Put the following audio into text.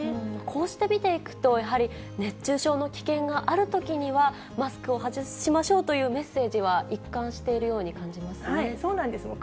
こうして見ていくと、やはり、熱中症の危険があるときには、マスクを外しましょうというメッセージは一貫しているように感じそうなんですね。